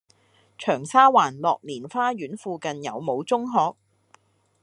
長沙灣樂年花園附近有無中學？